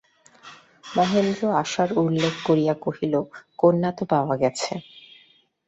মহেন্দ্র আশার উল্লেখ করিয়া কহিল, কন্যা তো পাওয়া গেছে।